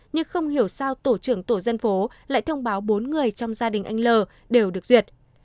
nhưng không hiểu sao tổ trưởng tổ dân phố lại thông báo bốn người trong gia đình anh l đều được duyệt